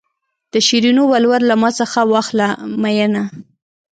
د شیرینو ولور له ما څخه واخله مینه.